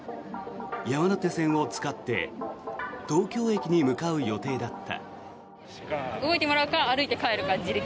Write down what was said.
山手線を使って東京駅に向かう予定だった。